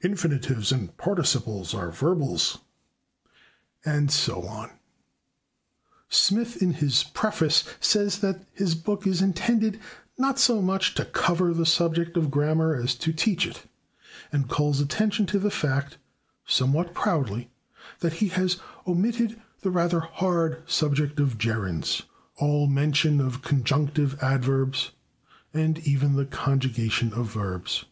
Infinitives and Participles are Verbals. And so on. Smith, in his preface, says that his book is intended, "not so much to 'cover' the subject of grammar as to /teach/ it," and calls attention to the fact, somewhat proudly, that he has omitted "the rather hard subject of gerunds," all mention of conjunctive adverbs, and even the conjugation of verbs.